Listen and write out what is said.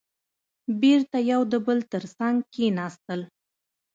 بېرته يو د بل تر څنګ کېناستل.